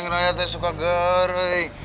neng neng raya tuh suka gerai